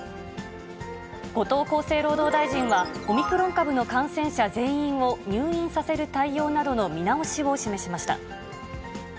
後藤厚生労働大臣は、オミクロン株の感染者全員を入院させる対応などの見直しを示しました。